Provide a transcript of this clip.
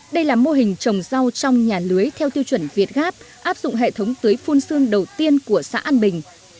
đây là mô hình trồng rau trong nhà lưới theo tiêu chuẩn việt gáp áp dụng hệ thống tưới phun xương đầu tiên của xã an bình